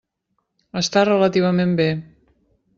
Està relativament bé.